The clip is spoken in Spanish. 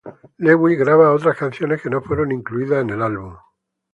Lewis grabó otras canciones que no fueron incluidas en el álbum